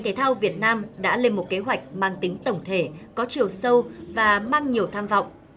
thể thao việt nam đã lên một kế hoạch mang tính tổng thể có chiều sâu và mang nhiều tham vọng